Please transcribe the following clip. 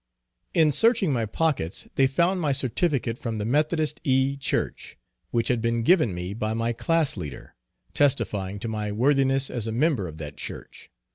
In searching my pockets, they found my certificate from the Methodist E. Church, which had been given me by my classleader, testifying to my worthiness as a member of that church.